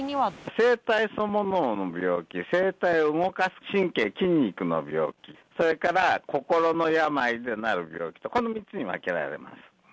声帯そのものの病気、声帯を動かす神経、筋肉の病気、それから心の病でなる病気と、この３つに分けられます。